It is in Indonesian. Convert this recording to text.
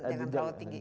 jangan terlalu tinggi